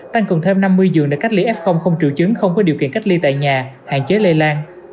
tăng cường thêm năm mươi giường để cách ly f không triệu chứng không có điều kiện cách ly tại nhà hạn chế lây lan